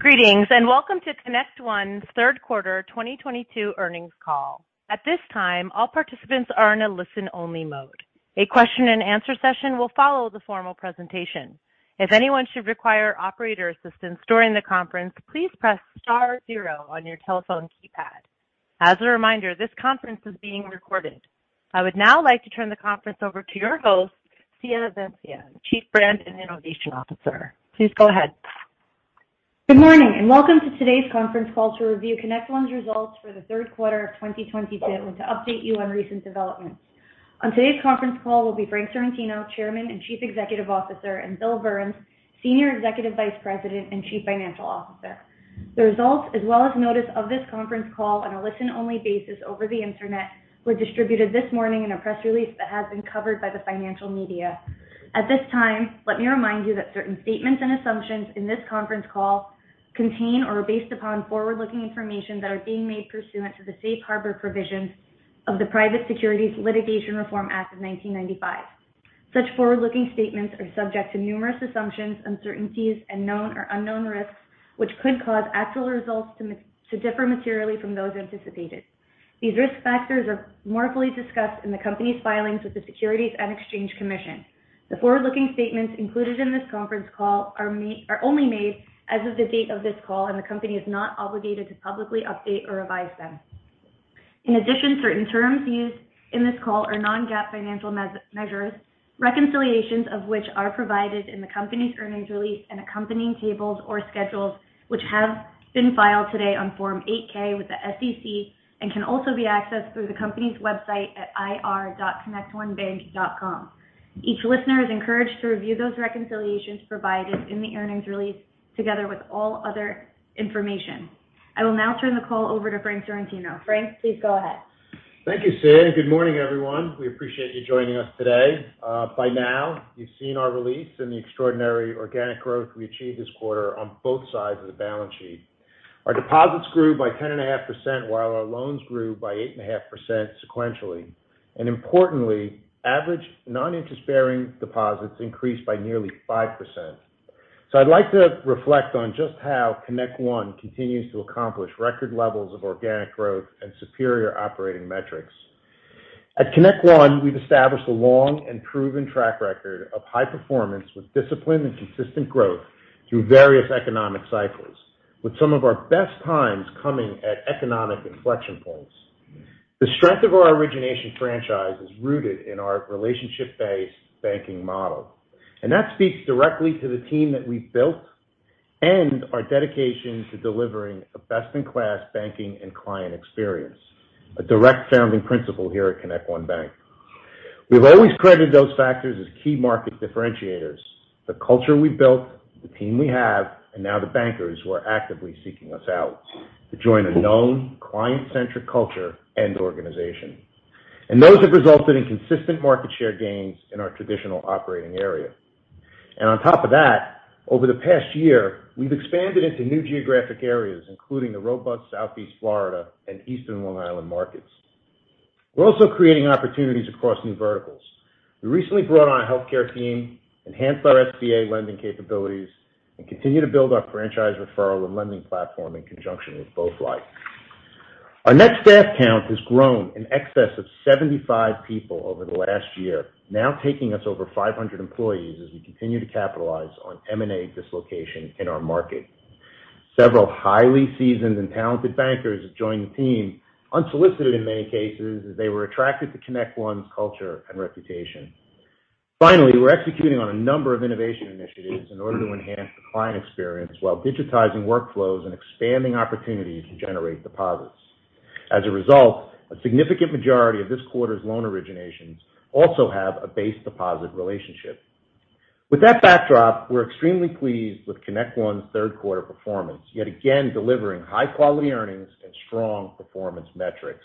Greetings, and welcome to ConnectOne's Q3 2022 earnings call. At this time, all participants are in a listen-only mode. A question-and-answer session will follow the formal presentation. If anyone should require operator assistance during the conference, please press star zero on your telephone keypad. As a reminder, this conference is being recorded. I would now like to turn the conference over to your host, Siya Vansia, Chief Brand and Innovation Officer. Please go ahead. Good morning, and welcome to today's conference call to review ConnectOne's results for the Q3 of 2022 and to update you on recent developments. On today's conference call will be Frank Sorrentino, Chairman and Chief Executive Officer, and Bill Burns, Senior Executive Vice President and Chief Financial Officer. The results, as well as notice of this conference call on a listen-only basis over the Internet, were distributed this morning in a press release that has been covered by the financial media. At this time, let me remind you that certain statements and assumptions in this conference call contain or are based upon forward-looking information that are being made pursuant to the Safe Harbor Provisions of the Private Securities Litigation Reform Act of 1995. Such forward-looking statements are subject to numerous assumptions, uncertainties, and known or unknown risks, which could cause actual results to differ materially from those anticipated. These risk factors are more fully discussed in the company's filings with the Securities and Exchange Commission. The forward-looking statements included in this conference call are only made as of the date of this call, and the company is not obligated to publicly update or revise them. In addition, certain terms used in this call are non-GAAP financial measures, reconciliations of which are provided in the company's earnings release and accompanying tables or schedules, which have been filed today on Form 8-K, with the SEC and can also be accessed through the company's website at ir.connectonebank.com. Each listener is encouraged to review those reconciliations provided in the earnings release together with all other information. I will now turn the call over to Frank Sorrentino. Frank, please go ahead. Thank you, Siya, and good morning, everyone. We appreciate you joining us today. By now, you've seen our release and the extraordinary organic growth we achieved this quarter on both sides of the balance sheet. Our deposits grew by 10.5%, while our loans grew by 8.5% sequentially. Importantly, average non-interest-bearing deposits increased by nearly 5%. I'd like to reflect on just how ConnectOne continues to accomplish record levels of organic growth and superior operating metrics. At ConnectOne, we've established a long and proven track record of high performance with discipline and consistent growth through various economic cycles, with some of our best times coming at economic inflection points. The strength of our origination franchise is rooted in our relationship-based banking model. That speaks directly to the team that we've built and our dedication to delivering a best-in-class banking and client experience, a direct founding principle here at ConnectOne Bank. We've always credited those factors as key market differentiators, the culture we've built, the team we have, and now the bankers who are actively seeking us out to join a known client-centric culture and organization. Those have resulted in consistent market share gains in our traditional operating area. On top of that, over the past year, we've expanded into new geographic areas, including the robust Southeast Florida and Eastern Long Island markets. We're also creating opportunities across new verticals. We recently brought on a healthcare team, enhanced our SBA lending capabilities, and continue to build our franchise referral and lending platform in conjunction with BoeFly. Our net staff count has grown in excess of 75 people over the last year, now taking us over 500 employees as we continue to capitalize on M&A dislocation in our market. Several highly seasoned and talented bankers have joined the team, unsolicited in many cases, as they were attracted to ConnectOne's culture and reputation. Finally, we're executing on a number of innovation initiatives in order to enhance the client experience while digitizing workflows and expanding opportunities to generate deposits. As a result, a significant majority of this quarter's loan originations also have a base deposit relationship. With that backdrop, we're extremely pleased with ConnectOne's Q3 performance, yet again delivering high-quality earnings and strong performance metrics.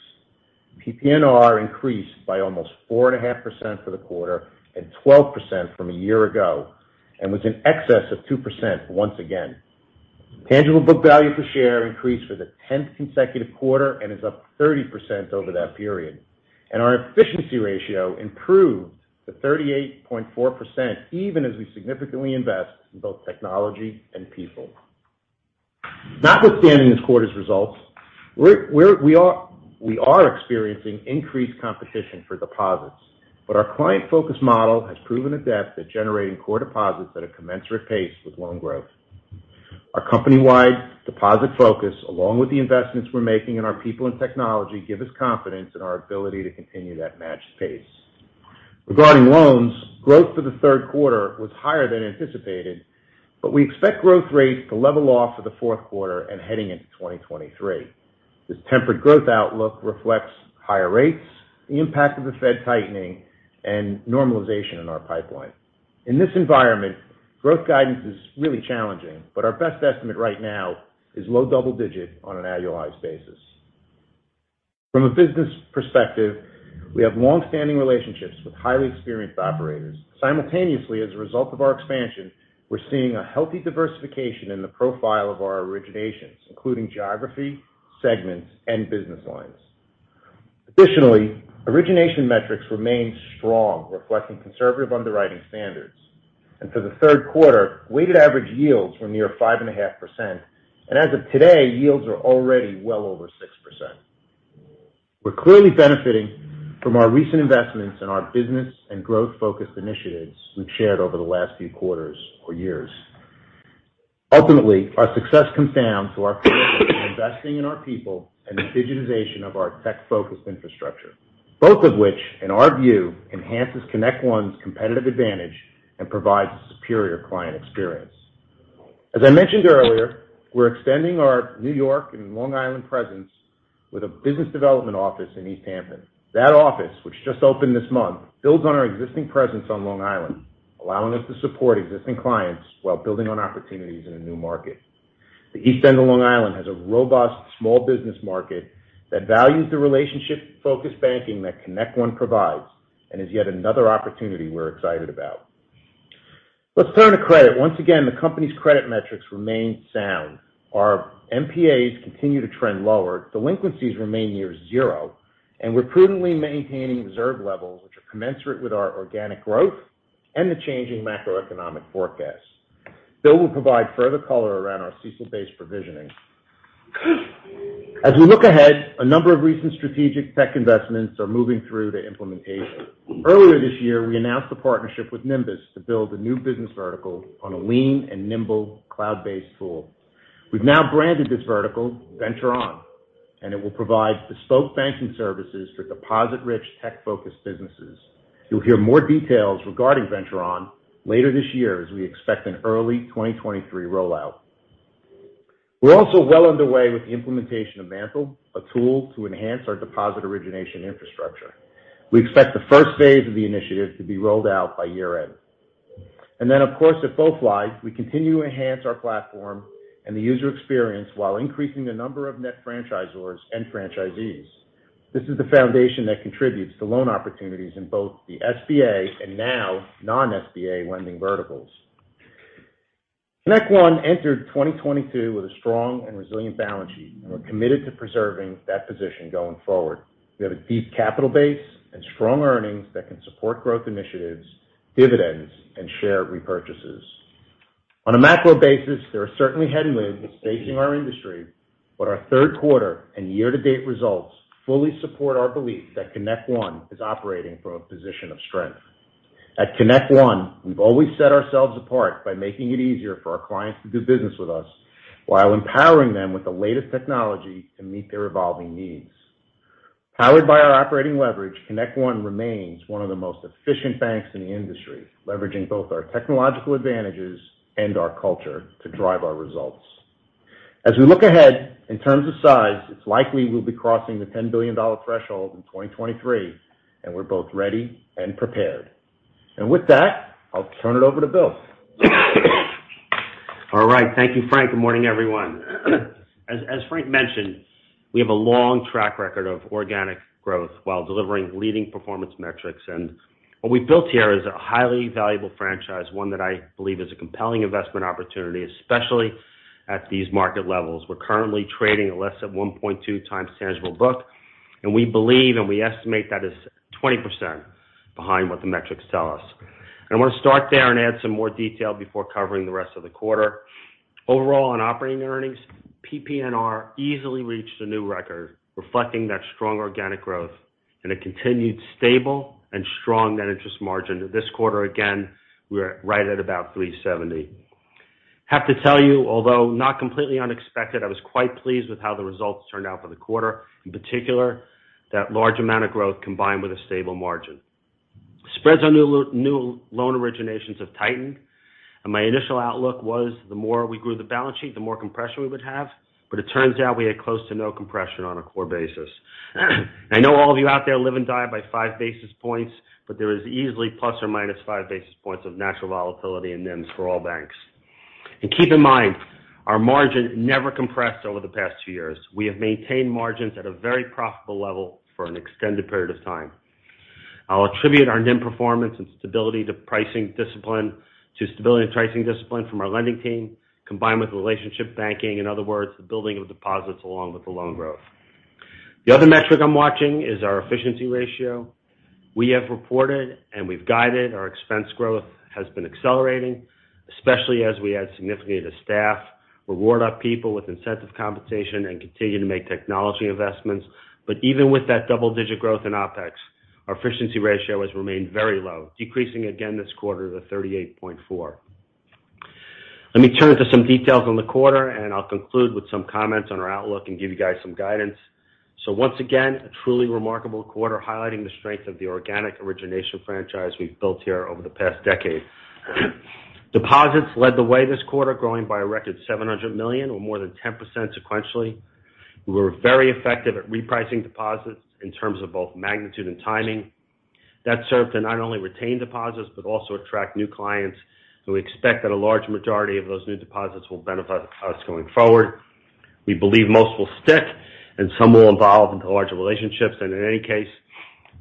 PPNR increased by almost 4.5% for the quarter and 12% from a year ago and was in excess of 2% once again. Tangible book value per share increased for the tenth consecutive quarter and is up 30% over that period. Our efficiency ratio improved to 38.4%, even as we significantly invest in both technology and people. Notwithstanding this quarter's results, we are experiencing increased competition for deposits, but our client focus model has proven adept at generating core deposits at a commensurate pace with loan growth. Our company-wide deposit focus, along with the investments we're making in our people and technology, give us confidence in our ability to continue that matched pace. Regarding loans, growth for the Q3 was higher than anticipated, but we expect growth rates to level off for the Q4 and heading into 2023. This tempered growth outlook reflects higher rates, the impact of the Fed tightening, and normalization in our pipeline. In this environment, growth guidance is really challenging, but our best estimate right now is low double digit on an annualized basis. From a business perspective, we have longstanding relationships with highly experienced operators. Simultaneously, as a result of our expansion, we're seeing a healthy diversification in the profile of our originations, including geography, segments, and business lines. Additionally, origination metrics remain strong, reflecting conservative underwriting standards. For the Q3, weighted average yields were near 5.5%. As of today, yields are already well over 6%. We're clearly benefiting from our recent investments in our business and growth-focused initiatives we've shared over the last few quarters or years. Ultimately, our success comes down to our commitment to investing in our people and the digitization of our tech-focused infrastructure, both of which, in our view, enhances ConnectOne's competitive advantage and provides a superior client experience. As I mentioned earlier, we're extending our New York and Long Island presence with a business development office in East Hampton. That office, which just opened this month, builds on our existing presence on Long Island, allowing us to support existing clients while building on opportunities in a new market. The East End of Long Island has a robust small business market that values the relationship-focused banking that ConnectOne provides and is yet another opportunity we're excited about. Let's turn to credit. Once again, the company's credit metrics remain sound. Our MPAs continue to trend lower, delinquencies remain near zero, and we're prudently maintaining reserve levels which are commensurate with our organic growth and the changing macroeconomic forecast. Bill will provide further color around our CECL-based provisioning. As we look ahead, a number of recent strategic tech investments are moving through to implementation. Earlier this year, we announced a partnership with Nimbus to build a new business vertical on a lean and nimble cloud-based tool. We've now branded this vertical Venture On, and it will provide bespoke banking services for deposit-rich tech-focused businesses. You'll hear more details regarding Venture On later this year, as we expect an early 2023 rollout. We're also well underway with the implementation of MANTL, a tool to enhance our deposit origination infrastructure. We expect the first phase of the initiative to be rolled out by year-end. Of course, at BoeFly, we continue to enhance our platform and the user experience while increasing the number of net franchisors and franchisees. This is the foundation that contributes to loan opportunities in both the SBA and now non-SBA lending verticals. ConnectOne entered 2022 with a strong and resilient balance sheet, and we're committed to preserving that position going forward. We have a deep capital base and strong earnings that can support growth initiatives, dividends, and share repurchases. On a macro basis, there are certainly headwinds facing our industry, but our Q3 and year-to-date results fully support our belief that ConnectOne is operating from a position of strength. At ConnectOne, we've always set ourselves apart by making it easier for our clients to do business with us while empowering them with the latest technology to meet their evolving needs. Powered by our operating leverage, ConnectOne remains one of the most efficient banks in the industry, leveraging both our technological advantages and our culture to drive our results. As we look ahead, in terms of size, it's likely we'll be crossing the $10 billion threshold in 2023, and we're both ready and prepared. With that, I'll turn it over to Burns. All right. Thank you, Frank. Good morning, everyone. As Frank mentioned, we have a long track record of organic growth while delivering leading performance metrics. What we've built here is a highly valuable franchise, one that I believe is a compelling investment opportunity, especially at these market levels. We're currently trading at less than 1.2x tangible book, and we believe and we estimate that is 20% behind what the metrics tell us. I'm gonna start there and add some more detail before covering the rest of the quarter. Overall, on operating earnings, PPNR easily reached a new record, reflecting that strong organic growth and a continued stable and strong net interest margin. This quarter, again, we're right at about 3.70%. Have to tell you, although not completely unexpected, I was quite pleased with how the results turned out for the quarter. In particular, that large amount of growth combined with a stable margin. Spreads on new loan originations have tightened, and my initial outlook was the more we grew the balance sheet, the more compression we would have, but it turns out we had close to no compression on a core basis. I know all of you out there live and die by five basis points, but there is easily plus or minus five basis points of natural volatility in NIMs for all banks. Keep in mind, our margin never compressed over the past two years. We have maintained margins at a very profitable level for an extended period of time. I'll attribute our NIM performance and stability to stability and pricing discipline from our lending team, combined with relationship banking. In other words, the building of deposits along with the loan growth. The other metric I'm watching is our efficiency ratio. We have reported and we've guided our expense growth has been accelerating, especially as we add significantly to staff, reward our people with incentive compensation, and continue to make technology investments. Even with that double-digit growth in OpEx, our efficiency ratio has remained very low, decreasing again this quarter to 38.4%. Let me turn to some details on the quarter, and I'll conclude with some comments on our outlook and give you guys some guidance. Once again, a truly remarkable quarter highlighting the strength of the organic origination franchise we've built here over the past decade. Deposits led the way this quarter, growing by a record $700 million or more than 10% sequentially. We were very effective at repricing deposits in terms of both magnitude and timing. That served to not only retain deposits, but also attract new clients, and we expect that a large majority of those new deposits will benefit us going forward. We believe most will stick and some will evolve into larger relationships.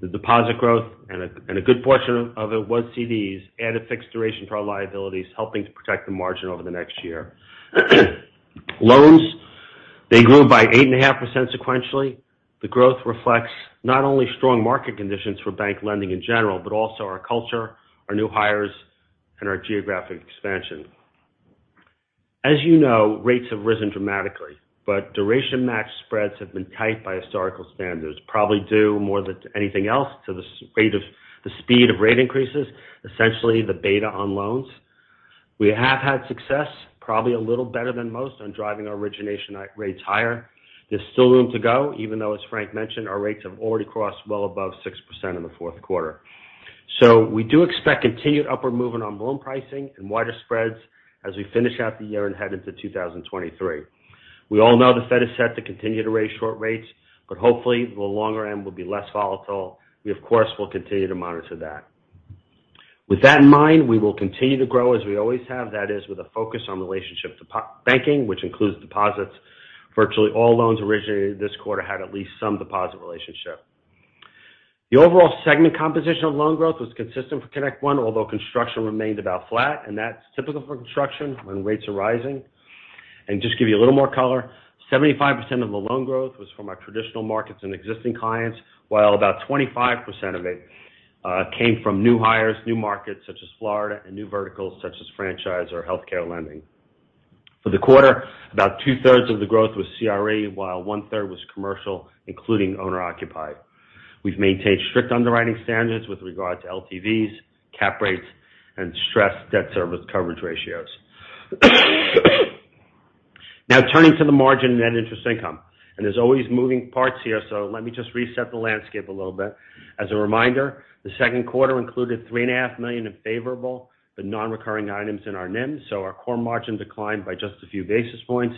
The deposit growth and a good portion of it was CDs and a fixed duration for our liabilities, helping to protect the margin over the next year. Loans, they grew by 8.5% sequentially. The growth reflects not only strong market conditions for bank lending in general, but also our culture, our new hires, and our geographic expansion. As you know, rates have risen dramatically, but duration match spreads have been tight by historical standards, probably due more than anything else to the speed of rate increases, essentially the beta on loans. We have had success, probably a little better than most, on driving our origination rates higher. There's still room to go, even though, as Frank mentioned, our rates have already crossed well above 6% in the Q4. We do expect continued upward movement on loan pricing and wider spreads as we finish out the year and head into 2023. We all know the Fed is set to continue to raise short rates, but hopefully the longer end will be less volatile. We of course, will continue to monitor that. With that in mind, we will continue to grow as we always have. That is with a focus on relationship banking, which includes deposits. Virtually all loans originated this quarter had at least some deposit relationship. The overall segment composition of loan growth was consistent for ConnectOne, although construction remained about flat, and that's typical for construction when rates are rising. Just give you a little more color, 75% of the loan growth was from our traditional markets and existing clients, while about 25% of it came from new hires, new markets such as Florida, and new verticals such as franchise or healthcare lending. For the quarter, about two-thirds of the growth was CRE, while one-third was commercial, including owner-occupied. We've maintained strict underwriting standards with regard to LTVs, cap rates, and stressed debt service coverage ratios. Now turning to the net interest margin and net interest income. There's always moving parts here, so let me just reset the landscape a little bit. As a reminder, the Q2 included $3.5 million in favorable but non-recurring items in our NIM, so our core margin declined by just a few basis points.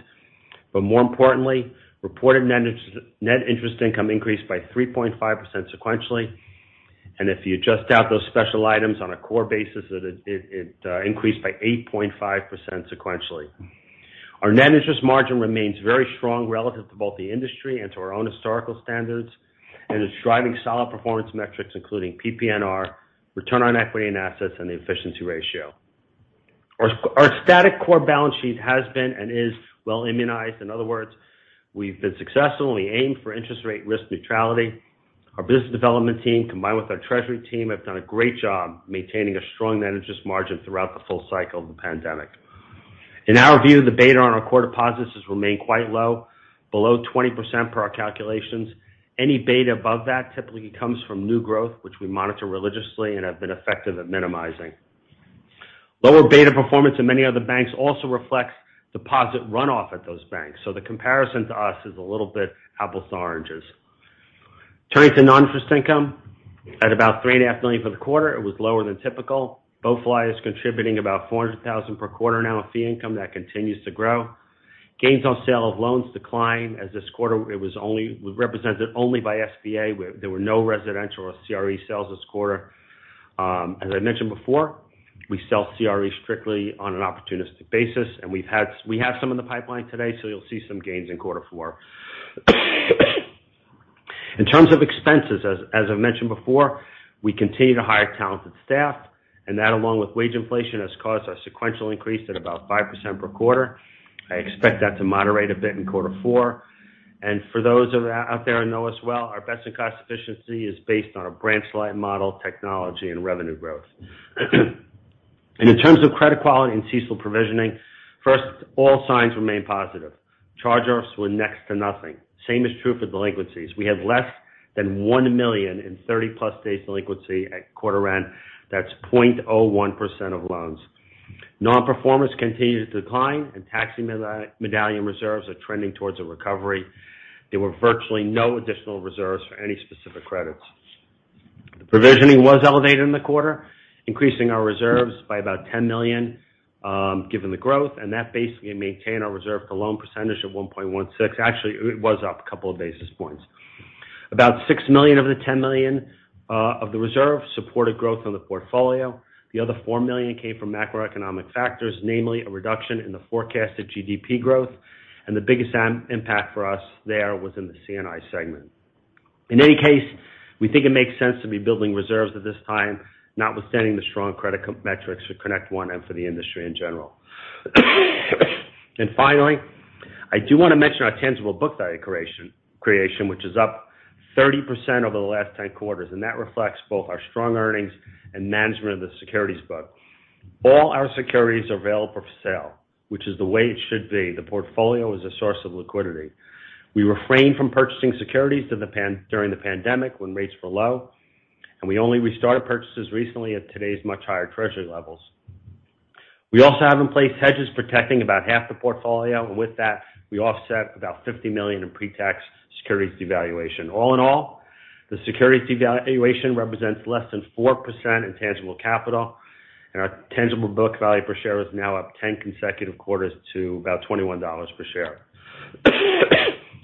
More importantly, reported net interest income increased by 3.5% sequentially. If you adjust out those special items on a core basis, it increased by 8.5% sequentially. Our net interest margin remains very strong relative to both the industry and to our own historical standards, and it's driving solid performance metrics, including PPNR, return on equity and assets, and the efficiency ratio. Our static core balance sheet has been and is well immunized. In other words, we've been successful, and we aim for interest rate risk neutrality. Our business development team, combined with our treasury team, have done a great job maintaining a strong net interest margin throughout the full cycle of the pandemic. In our view, the beta on our core deposits has remained quite low, below 20% per our calculations. Any beta above that typically comes from new growth, which we monitor religiously and have been effective at minimizing. Lower beta performance in many other banks also reflects deposit runoff at those banks. So the comparison to us is a little bit apples to oranges. Turning to non-interest income. At about $3.5 million for the quarter, it was lower than typical. Both BoeFly contributing about $400,000 per quarter now of fee income that continues to grow. Gains on sale of loans declined as this quarter it was represented only by SBA, where there were no residential or CRE sales this quarter. As I mentioned before, we sell CRE strictly on an opportunistic basis, and we have some in the pipeline today, so you'll see some gains in quarter four. In terms of expenses, as I've mentioned before, we continue to hire talented staff, and that, along with wage inflation, has caused a sequential increase at about 5% per quarter. I expect that to moderate a bit in quarter four. For those of you out there who know us well, our best-in-class cost efficiency is based on our branch-light model, technology, and revenue growth. In terms of credit quality and CECL provisioning, first, all signs remain positive. Charge-offs were next to nothing. Same is true for delinquencies. We had less than $1 million in 30-plus days delinquency at quarter end. That's 0.01% of loans. Non-performing continues to decline, and taxi medallion reserves are trending towards a recovery. There were virtually no additional reserves for any specific credits. Provisioning was elevated in the quarter, increasing our reserves by about $10 million, given the growth, and that basically maintained our reserve for loan percentage of 1.16. Actually, it was up a couple of basis points. About $6 million of the $10 million of the reserve supported growth on the portfolio. The other $4 million came from macroeconomic factors, namely a reduction in the forecasted GDP growth. The biggest impact for us there was in the C&I segment. In any case, we think it makes sense to be building reserves at this time, notwithstanding the strong credit metrics for ConnectOne and for the industry in general. Finally, I do wanna mention our tangible book value creation, which is up 30% over the last 10 quarters, and that reflects both our strong earnings and management of the securities book. All our securities are available for sale, which is the way it should be. The portfolio is a source of liquidity. We refrained from purchasing securities during the pandemic when rates were low, and we only restarted purchases recently at today's much higher treasury levels. We also have in place hedges protecting about half the portfolio, and with that, we offset about $50 million in pre-tax securities devaluation. All in all, the securities devaluation represents less than 4% in tangible capital, and our tangible book value per share is now up 10 consecutive quarters to about $21 per share.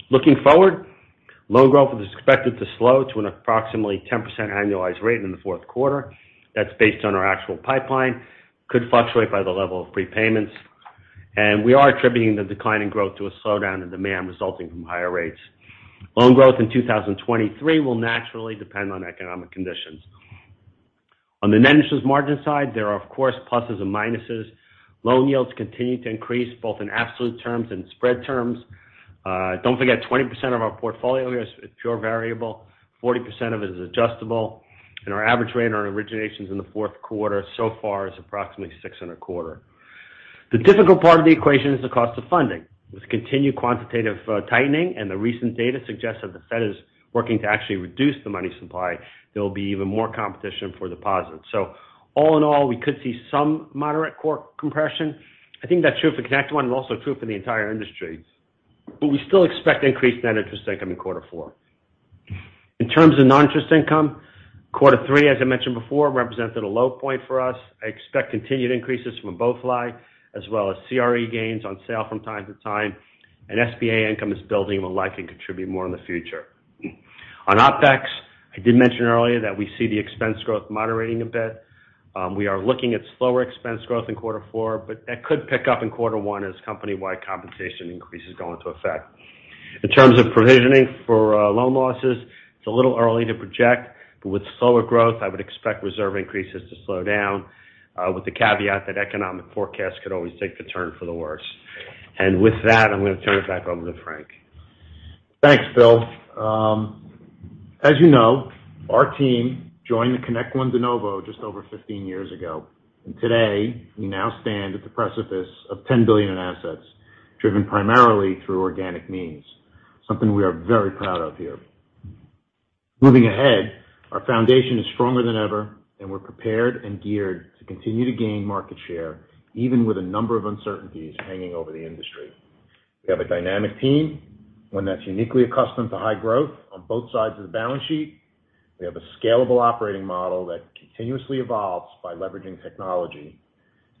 Looking forward, loan growth is expected to slow to an approximately 10% annualized rate in the Q4. That's based on our actual pipeline, could fluctuate by the level of prepayments. We are attributing the decline in growth to a slowdown in demand resulting from higher rates. Loan growth in 2023 will naturally depend on economic conditions. On the net interest margin side, there are of course pluses and minuses. Loan yields continue to increase both in absolute terms and spread terms. Don't forget, 20% of our portfolio is pure variable, 40% of it is adjustable, and our average rate on our originations in the Q4 so far is approximately 6.25. The difficult part of the equation is the cost of funding. With continued quantitative tightening and the recent data suggests that the Fed is working to actually reduce the money supply, there will be even more competition for deposits. All in all, we could see some moderate core compression. I think that's true for ConnectOne and also true for the entire industry. We still expect increased net interest income in quarter four. In terms of non-interest income, quarter three, as I mentioned before, represented a low point for us. I expect continued increases from both sides as well as CRE gains on sale from time to time, and SBA income is building and will likely contribute more in the future. On OpEx, I did mention earlier that we see the expense growth moderating a bit. We are looking at slower expense growth in quarter four, but that could pick up in quarter one as company-wide compensation increases go into effect. In terms of provisioning for loan losses, it's a little early to project, but with slower growth, I would expect reserve increases to slow down with the caveat that economic forecasts could always take the turn for the worse. With that, I'm gonna turn it back over to Frank. Thanks, Burns. As you know, our team joined the ConnectOne de novo just over 15 years ago. Today, we now stand at the precipice of $10 billion in assets driven primarily through organic means, something we are very proud of here. Moving ahead, our foundation is stronger than ever, and we're prepared and geared to continue to gain market share, even with a number of uncertainties hanging over the industry. We have a dynamic team, one that's uniquely accustomed to high growth on both sides of the balance sheet. We have a scalable operating model that continuously evolves by leveraging technology.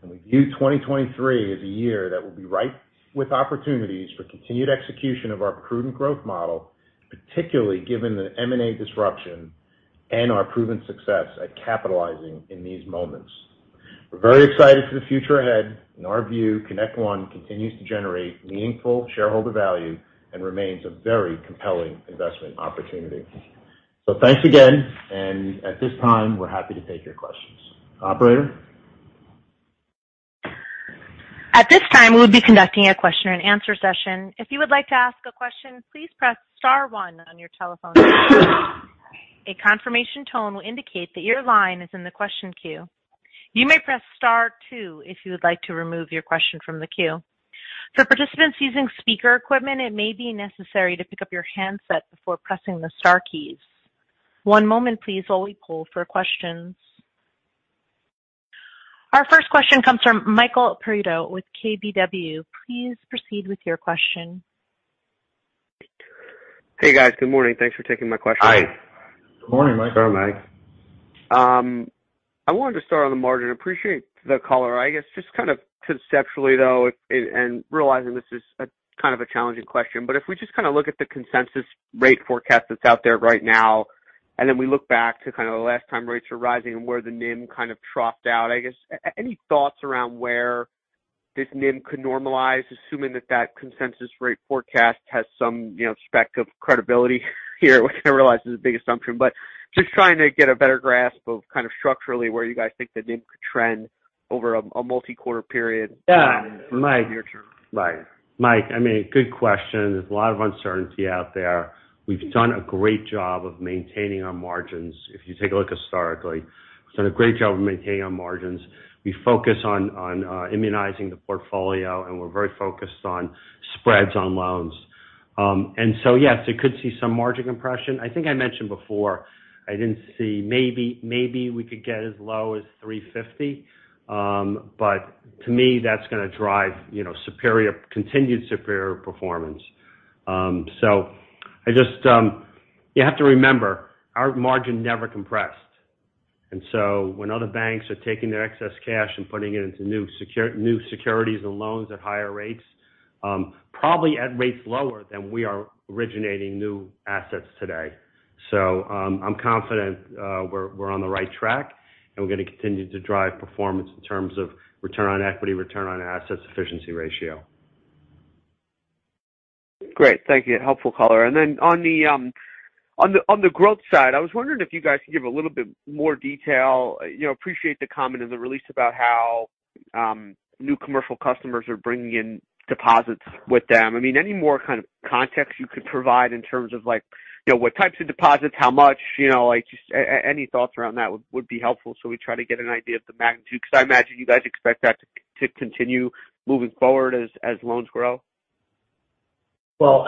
We view 2023 as a year that will be ripe with opportunities for continued execution of our prudent growth model, particularly given the M&A disruption and our proven success at capitalizing in these moments. We're very excited for the future ahead. In our view, ConnectOne continues to generate meaningful shareholder value and remains a very compelling investment opportunity. Thanks again, and at this time, we're happy to take your questions. Operator? At this time, we'll be conducting a question -and- answer session. If you would like to ask a question, please press star one on your telephone. A confirmation tone will indicate that your line is in the question queue. You may press star two if you would like to remove your question from the queue. For participants using speaker equipment, it may be necessary to pick up your handset before pressing the star keys. One moment please while we poll for questions. Our first question comes from Michael Perito with KBW. Please proceed with your question. Hey, guys. Good morning. Thanks for taking my question. Hi. Good morning, Mike. Sure, Mike. I wanted to start on the margin. Appreciate the color. I guess just kind of conceptually, though, and realizing this is a kind of a challenging question, but if we just kinda look at the consensus rate forecast that's out there right now, and then we look back to kind of the last time rates were rising and where the NIM kind of troughed out, I guess, any thoughts around where this NIM could normalize, assuming that consensus rate forecast has some, you know, speck of credibility here, which I realize is a big assumption. Just trying to get a better grasp of kind of structurally where you guys think the NIM could trend over a multi-quarter period. Yeah. From here. Michael. Right. Michael, I mean, good question. There's a lot of uncertainty out there. We've done a great job of maintaining our margins if you take a look historically. We've done a great job of maintaining our margins. We focus on immunizing the portfolio, and we're very focused on spreads on loans. Yes, it could see some margin compression. I think I mentioned before, I didn't see. Maybe we could get as low as 3.50%. But to me, that's gonna drive, you know, superior, continued superior performance. I just. You have to remember, our margin never compressed. When other banks are taking their excess cash and putting it into new securities and loans at higher rates, probably at rates lower than we are originating new assets today. I'm confident, we're on the right track, and we're gonna continue to drive performance in terms of return on equity, return on assets efficiency ratio. Great. Thank you. Helpful color. Then on the growth side, I was wondering if you guys could give a little bit more detail. You know, appreciate the comment in the release about how new commercial customers are bringing in deposits with them. I mean, any more kind of context you could provide in terms of like, you know, what types of deposits, how much, you know, like just any thoughts around that would be helpful, so we try to get an idea of the magnitude because I imagine you guys expect that to continue moving forward as loans grow. Well,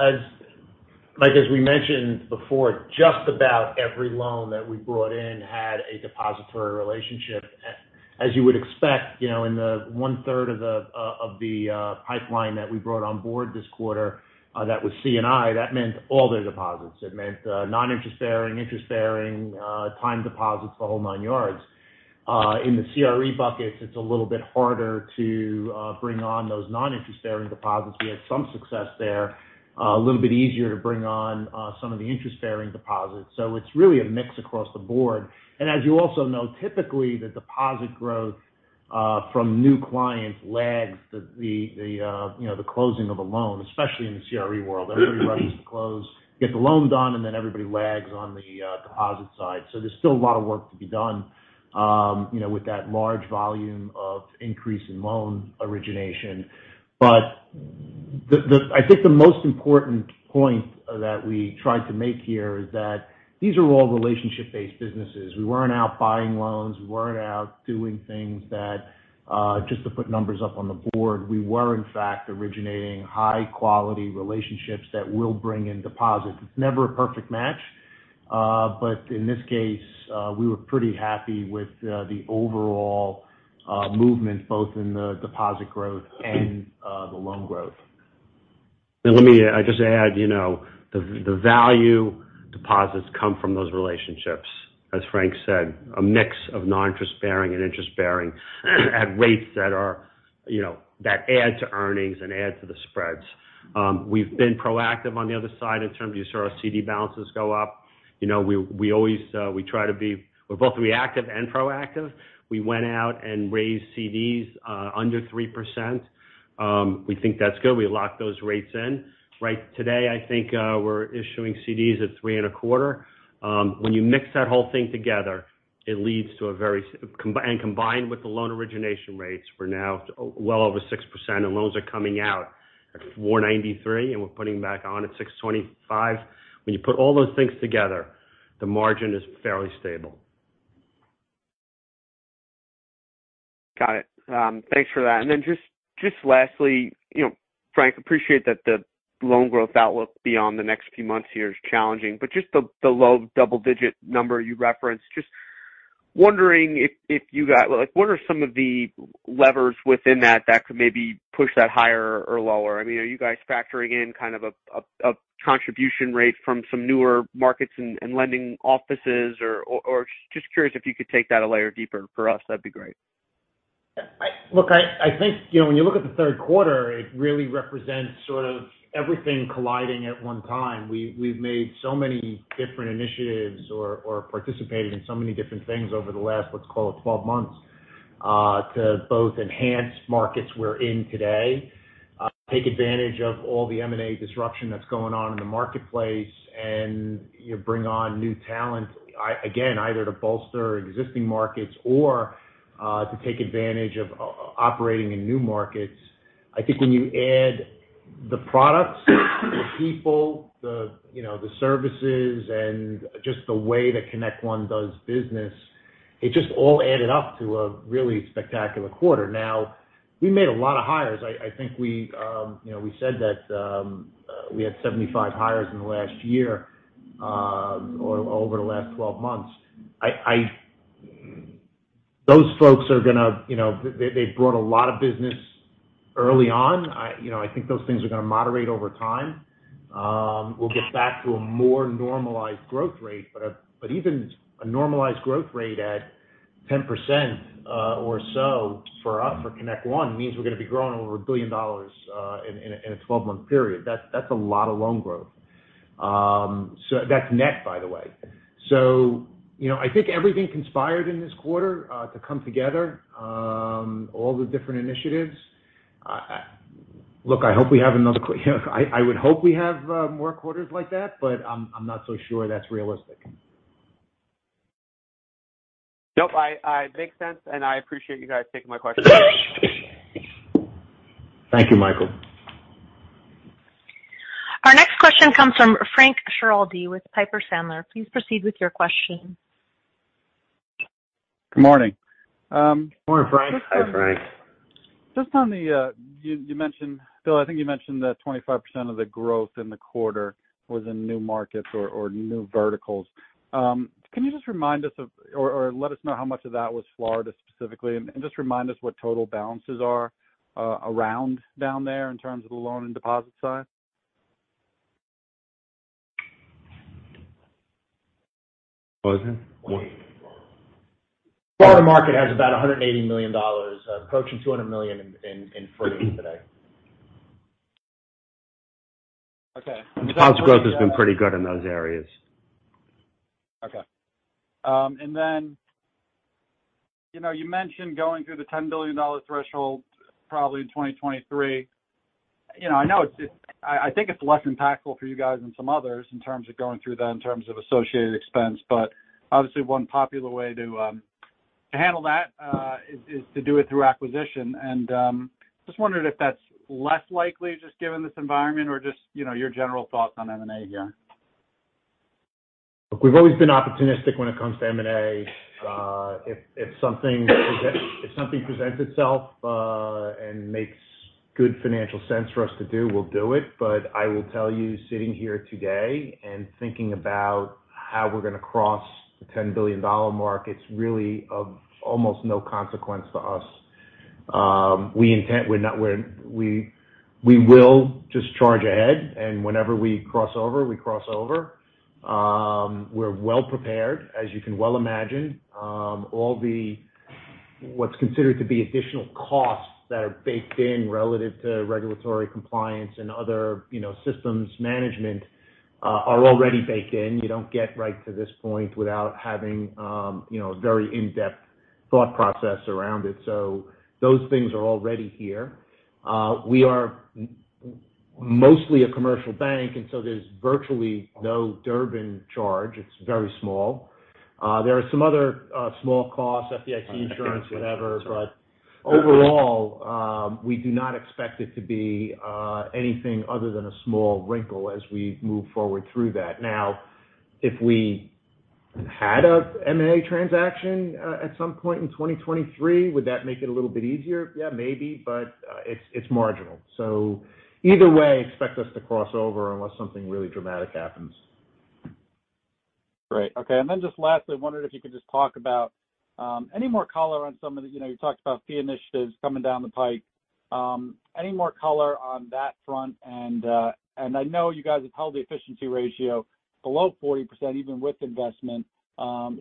Michael, as we mentioned before, just about every loan that we brought in had a depository relationship. As you would expect, you know, in the one-third of the pipeline that we brought on board this quarter, that was C&I, that meant all their deposits. It meant non-interest-bearing, interest-bearing, time deposits, the whole nine yards. In the CRE buckets, it's a little bit harder to bring on those non-interest-bearing deposits. We had some success there. A little bit easier to bring on some of the interest-bearing deposits. It's really a mix across the board. As you also know, typically the deposit growth From new clients lags the, you know, the closing of a loan, especially in the CRE world. Everybody rushes to close, get the loan done, and then everybody lags on the deposit side. There's still a lot of work to be done, you know, with that large volume of increase in loan origination. I think the most important point that we tried to make here is that these are all relationship-based businesses. We weren't out buying loans. We weren't out doing things that just to put numbers up on the board. We were, in fact, originating high-quality relationships that will bring in deposits. It's never a perfect match. In this case, we were pretty happy with the overall movement, both in the deposit growth and the loan growth. Let me just add, you know, the value deposits come from those relationships, as Frank said, a mix of non-interest bearing and interest-bearing at rates that are, you know, that add to earnings and add to the spreads. We've been proactive on the other side in terms of you saw our CD balances go up. You know, we always, we're both reactive and proactive. We went out and raised CDs under 3%. We think that's good. We locked those rates in. Right today, I think, we're issuing CDs at 3.25%. When you mix that whole thing together, it leads to a very and combined with the loan origination rates, we're now well over 6%, and loans are coming out at 4.93%, and we're putting back on at 6.25%. When you put all those things together, the margin is fairly stable. Got it. Thanks for that. Just lastly, you know, Frank, appreciate that the loan growth outlook beyond the next few months here is challenging. Just the low double-digit number you referenced, just wondering if like, what are some of the levers within that that could maybe push that higher or lower? I mean, are you guys factoring in kind of a contribution rate from some newer markets and lending offices? Just curious if you could take that a layer deeper for us, that'd be great. Look, I think, you know, when you look at the Q3, it really represents sort of everything colliding at one time. We've made so many different initiatives or participated in so many different things over the last, let's call it, 12 months, to both enhance markets we're in today, take advantage of all the M&A disruption that's going on in the marketplace, and, you know, bring on new talent, again, either to bolster existing markets or to take advantage of operating in new markets. I think when you add the products, the people, you know, the services, and just the way that ConnectOne does business, it just all added up to a really spectacular quarter. Now, we made a lot of hires. I think we said that we had 75 hires in the last year or over the last 12 months. Those folks are gonna, you know, they brought a lot of business early on. I think those things are gonna moderate over time. We'll get back to a more normalized growth rate. Even a normalized growth rate at 10% or so for us, for ConnectOne, means we're gonna be growing over $1 billion in a 12-month period. That's a lot of loan growth. That's net, by the way. You know, I think everything conspired in this quarter to come together, all the different initiatives. Look, you know, I would hope we have more quarters like that, but I'm not so sure that's realistic. Nope. Makes sense, and I appreciate you guys taking my questions. Thank you, Michael. Our next question comes from Frank Schiraldi with Piper Sandler. Please proceed with your question. Good morning. Good morning, Frank. Hi, Frank. Just on the, you mentioned, Bill, I think you mentioned that 25% of the growth in the quarter was in new markets or new verticals. Can you just remind us or let us know how much of that was Florida specifically, and just remind us what total balances are around down there in terms of the loan and deposit side? Florida market has about $180 million, approaching $200 million in outstandings today. Okay. Plus growth has been pretty good in those areas. Okay. You know, you mentioned going through the $10 billion threshold probably in 2023. You know, I know. I think it's less impactful for you guys than some others in terms of going through that in terms of associated expense. Obviously, one popular way to handle that is to do it through acquisition. I just wondered if that's less likely just given this environment or just, you know, your general thoughts on M&A here. Look, we've always been opportunistic when it comes to M&A. If something presents itself and makes good financial sense for us to do, we'll do it. I will tell you, sitting here today and thinking about how we're gonna cross the $10 billion mark, it's really of almost no consequence to us. We will just charge ahead, and whenever we cross over, we cross over. We're well prepared, as you can well imagine. All the what's considered to be additional costs that are baked in relative to regulatory compliance and other, you know, systems management are already baked in. You don't get right to this point without having, you know, very in-depth thought process around it. Those things are already here. We are mostly a commercial bank, and so there's virtually no Durbin charge. It's very small. There are some other small costs, FDIC insurance, whatever. Overall, we do not expect it to be anything other than a small wrinkle as we move forward through that. Now, if we had a M&A transaction at some point in 2023, would that make it a little bit easier? Yeah, maybe, but it's marginal. Either way, expect us to cross over unless something really dramatic happens. Great. Okay. Just lastly, I wondered if you could just talk about any more color on some of the, you know, you talked about fee initiatives coming down the pike. Any more color on that front? I know you guys have held the efficiency ratio below 40% even with investment.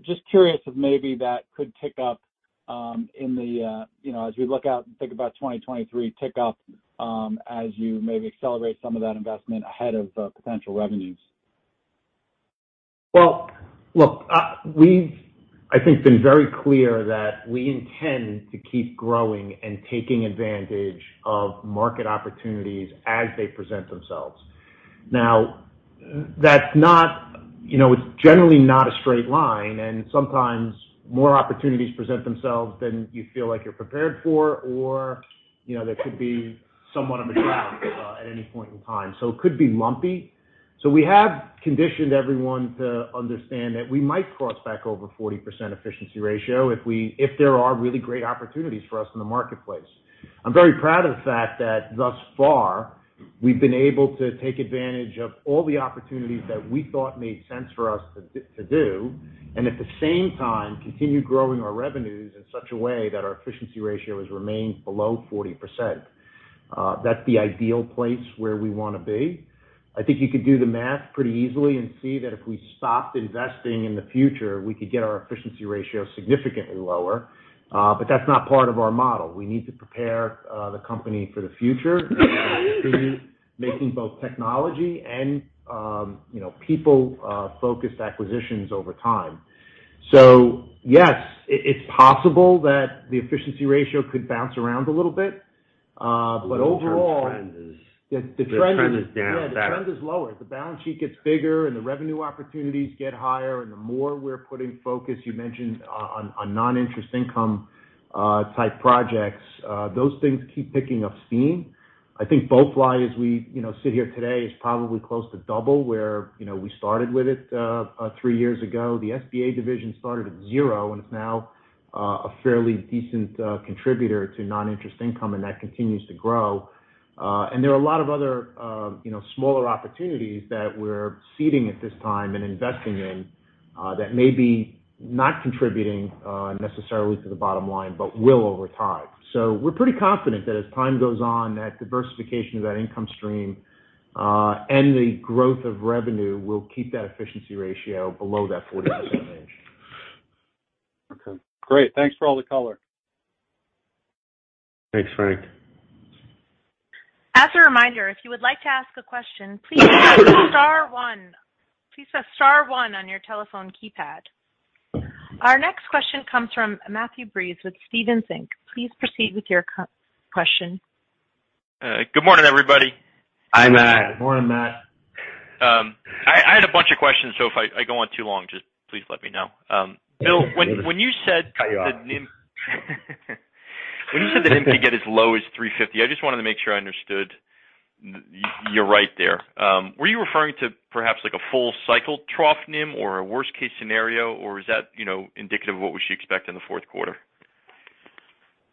Just curious if maybe that could tick up in the, you know, as we look out and think about 2023, as you maybe accelerate some of that investment ahead of potential revenues. Well, look, we've, I think, been very clear that we intend to keep growing and taking advantage of market opportunities as they present themselves. Now, that's not, you know, it's generally not a straight line, and sometimes more opportunities present themselves than you feel like you're prepared for or, you know, there could be somewhat of a drought at any point in time. It could be lumpy. We have conditioned everyone to understand that we might cross back over 40% efficiency ratio if there are really great opportunities for us in the marketplace. I'm very proud of the fact that thus far we've been able to take advantage of all the opportunities that we thought made sense for us to do and at the same time continue growing our revenues in such a way that our efficiency ratio has remained below 40%. That's the ideal place where we wanna be. I think you could do the math pretty easily and see that if we stopped investing in the future, we could get our efficiency ratio significantly lower. But that's not part of our model. We need to prepare the company for the future through making both technology and, you know, people focused acquisitions over time. Yes, it's possible that the efficiency ratio could bounce around a little bit, but overall- The trend is. The trend is. The trend is down. Got it. Yeah, the trend is lower. The balance sheet gets bigger, and the revenue opportunities get higher, and the more we're putting focus, you mentioned, on non-interest income type projects, those things keep picking up steam. I think both lines, you know, we sit here today is probably close to double where, you know, we started with it three years ago. The SBA division started at zero, and it's now a fairly decent contributor to non-interest income, and that continues to grow. There are a lot of other, you know, smaller opportunities that we're seeding at this time and investing in that may not be contributing necessarily to the bottom line, but will over time. We're pretty confident that as time goes on, that diversification of that income stream, and the growth of revenue will keep that efficiency ratio below that 40% range. Okay. Great. Thanks for all the color. Thanks, Frank. As a reminder, if you would like to ask a question, please press star one. Please press star one on your telephone keypad. Our next question comes from Matthew Breese with Stephens Inc. Please proceed with your question. Good morning, everybody. Hi, Matt. Morning, Matt. I had a bunch of questions, so if I go on too long, just please let me know. Burns, when you said Cut you off. When you said that NIM could get as low as 3.50%, I just wanted to make sure I understood you're right there. Were you referring to perhaps like a full cycle trough NIM or a worst-case scenario? Or is that, you know, indicative of what we should expect in the Q4?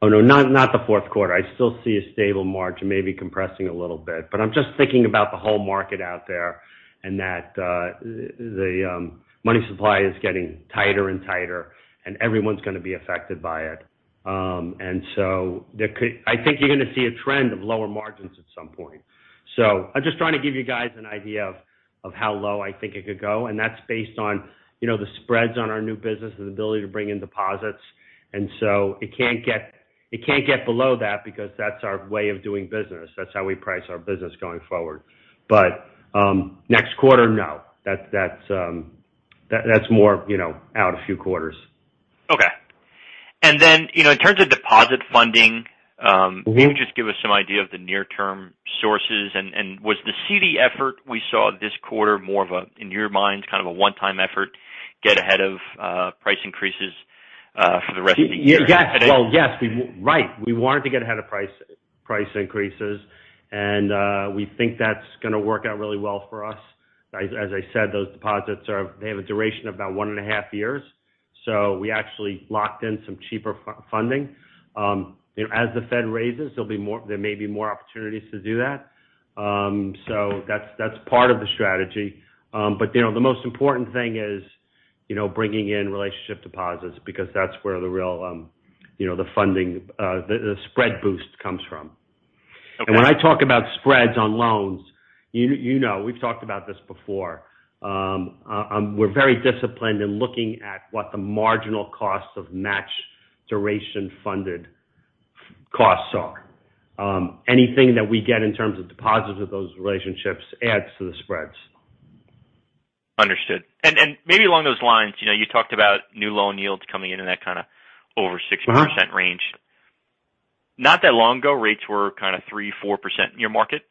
Oh, no, not the Q4. I still see a stable margin maybe compressing a little bit, but I'm just thinking about the whole market out there and that the money supply is getting tighter and tighter, and everyone's gonna be affected by it. I think you're gonna see a trend of lower margins at some point. I'm just trying to give you guys an idea of how low I think it could go, and that's based on, you know, the spreads on our new business and ability to bring in deposits. It can't get below that because that's our way of doing business. That's how we price our business going forward. Next quarter, no. That's more, you know, out a few quarters. Okay. You know, in terms of deposit funding. Mm-hmm. Can you just give us some idea of the near term sources? Was the CD effort we saw this quarter more of a, in your mind, kind of a one-time effort, get ahead of price increases for the rest of the year? Yes. Well, yes. Right. We wanted to get ahead of price increases, and we think that's gonna work out really well for us. As I said, those deposits have a duration of about one and a half years, so we actually locked in some cheaper funding. You know, as the Fed raises, there may be more opportunities to do that. That's part of the strategy. But you know, the most important thing is, you know, bringing in relationship deposits because that's where the real, you know, the funding, the spread boost comes from. Okay. When I talk about spreads on loans, you know, we've talked about this before. We're very disciplined in looking at what the marginal costs of match duration funded funding costs are. Anything that we get in terms of deposits with those relationships adds to the spreads. Understood. Maybe along those lines, you know, you talked about new loan yields coming in in that kind of over 6% range. Not that long ago, rates were kind of 3%-4% in your market.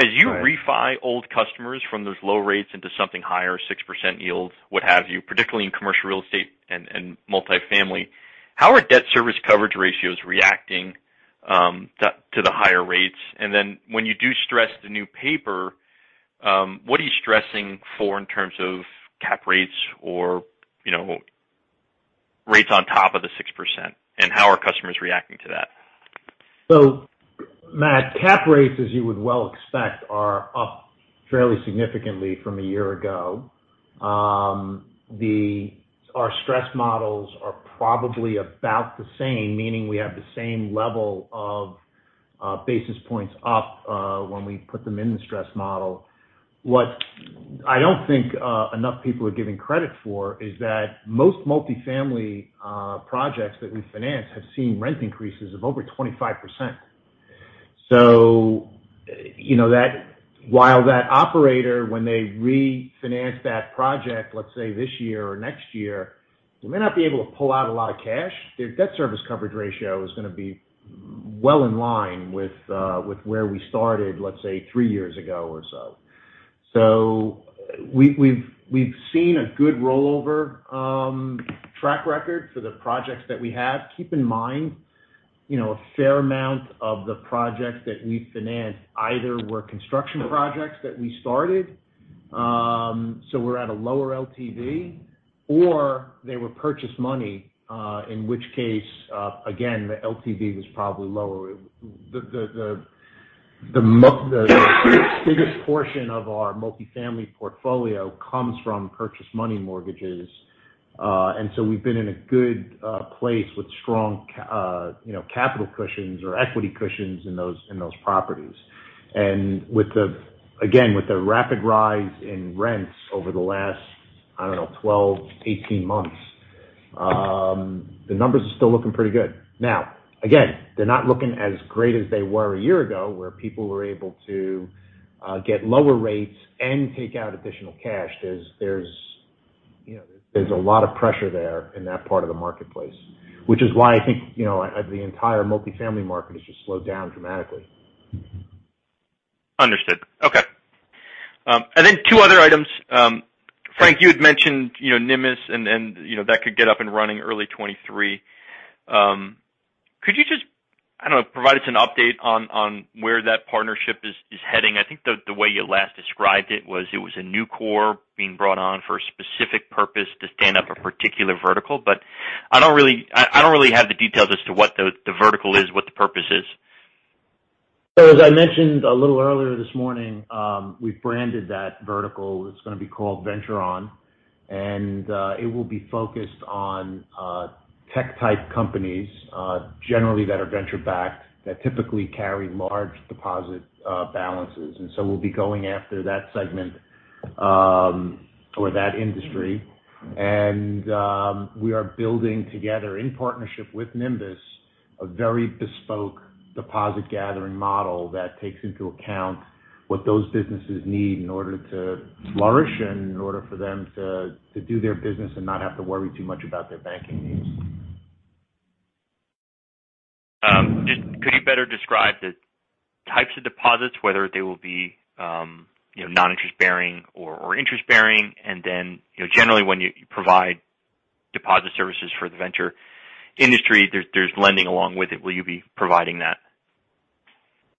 As you refi old customers from those low rates into something higher, 6% yields, what have you, particularly in commercial real estate and multifamily, how are debt service coverage ratios reacting to the higher rates? Then when you do stress the new paper, what are you stressing for in terms of cap rates or, you know, rates on top of the 6%? How are customers reacting to that? Matt, cap rates, as you would well expect, are up fairly significantly from a year ago. Our stress models are probably about the same, meaning we have the same level of basis points up when we put them in the stress model. What I don't think enough people are giving credit for is that most multifamily projects that we finance have seen rent increases of over 25%. You know while that operator, when they refinance that project, let's say this year or next year, they may not be able to pull out a lot of cash. Their debt service coverage ratio is gonna be well in line with where we started, let's say, three years ago or so. We've seen a good rollover track record for the projects that we have. Keep in mind, you know, a fair amount of the projects that we financed either were construction projects that we started, so we're at a lower LTV, or they were purchase money, in which case, again, the LTV was probably lower. The biggest portion of our multifamily portfolio comes from purchase money mortgages. We've been in a good place with strong capital cushions or equity cushions in those properties. Again, with the rapid rise in rents over the last, I don't know, 12, 18 months, the numbers are still looking pretty good. Now, again, they're not looking as great as they were a year ago, where people were able to get lower rates and take out additional cash. You know, there's a lot of pressure there in that part of the marketplace, which is why I think, you know, the entire multifamily market has just slowed down dramatically. Understood. Okay. Two other items. Frank, you had mentioned, you know, Nimbus and, you know, that could get up and running early 2023. Could you just, I don't know, provide us an update on where that partnership is heading? I think the way you last described it was it was a new core being brought on for a specific purpose to stand up a particular vertical. I don't really have the details as to what the vertical is, what the purpose is. As I mentioned a little earlier this morning, we've branded that vertical. It's gonna be called Venture On, and it will be focused on tech type companies generally that are venture backed that typically carry large deposit balances. We'll be going after that segment or that industry. We are building together in partnership with Nymbus a very bespoke deposit gathering model that takes into account what those businesses need in order to flourish and in order for them to do their business and not have to worry too much about their banking needs. Just could you better describe the types of deposits, whether they will be, you know, non-interest bearing or interest bearing? You know, generally when you provide deposit services for the venture industry, there's lending along with it. Will you be providing that?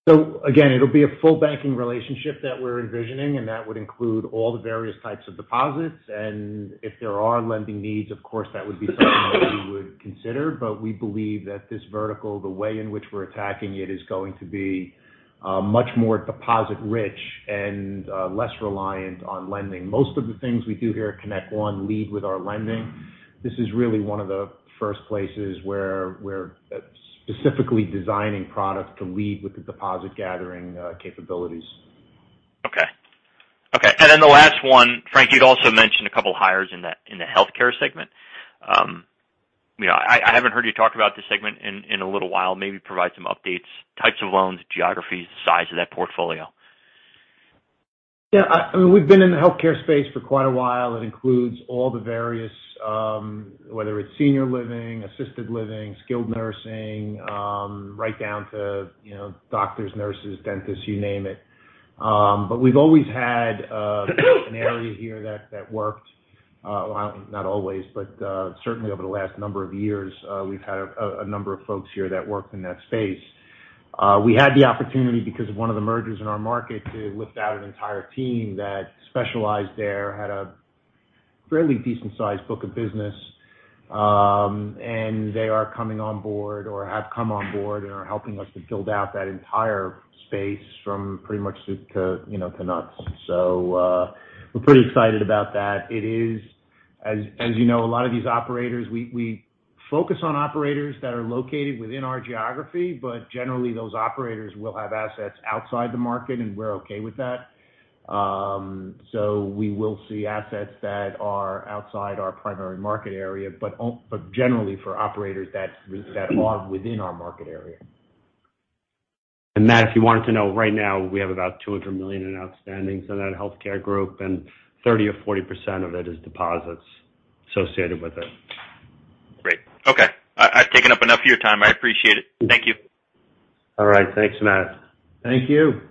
Again, it'll be a full banking relationship that we're envisioning, and that would include all the various types of deposits. If there are lending needs, of course that would be something that we would consider. We believe that this vertical, the way in which we're attacking it, is going to be much more deposit rich and less reliant on lending. Most of the things we do here at ConnectOne lead with our lending. This is really one of the first places where we're specifically designing products to lead with the deposit gathering capabilities. Okay. The last one, Frank, you'd also mentioned a couple hires in the healthcare segment. You know, I haven't heard you talk about this segment in a little while. Maybe provide some updates, types of loans, geographies, size of that portfolio. I mean, we've been in the healthcare space for quite a while. It includes all the various, whether it's senior living, assisted living, skilled nursing, right down to, you know, doctors, nurses, dentists, you name it. We've always had an area here that worked. Well, not always, but certainly over the last number of years, we've had a number of folks here that worked in that space. We had the opportunity because of one of the mergers in our market to lift out an entire team that specialized there, had a fairly decent sized book of business. They are coming on board or have come on board and are helping us to build out that entire space from pretty much soup to, you know, to nuts. We're pretty excited about that. It is, as you know, a lot of these operators, we focus on operators that are located within our geography, but generally those operators will have assets outside the market, and we're okay with that. We will see assets that are outside our primary market area, but generally for operators that are within our market area. Matt, if you wanted to know, right now we have about $200 million in outstandings in that healthcare group, and 30% or 40% of it is deposits associated with it. Great. Okay. I've taken up enough of your time. I appreciate it. Thank you. All right. Thanks, Matt. Thank you.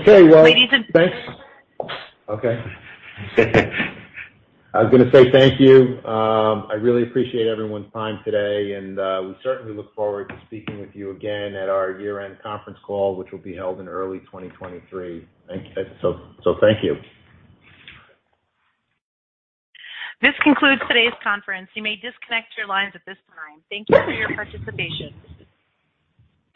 Okay, well. Ladies and- Thanks. I was gonna say thank you. I really appreciate everyone's time today and we certainly look forward to speaking with you again at our year-end conference call, which will be held in early 2023. Thank you. This concludes today's conference. You may disconnect your lines at this time. Thank you for your participation.